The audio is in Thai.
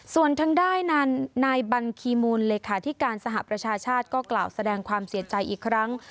ส่วนทางด้านนั้นนายบัญคีมูลเลขาธิการสหประชาชาติก็กล่าวแสดงความเสียใจอีกครั้ง